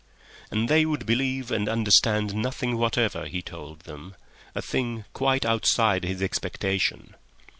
And they would believe and understand nothing whatever that he told them, a thing quite outside his expectation.